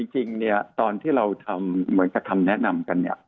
จริงตอนที่เราทำเหมือนกับคำแนะนำกัน